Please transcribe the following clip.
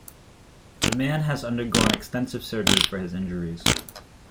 The man has undergone extensive surgery for his injuries.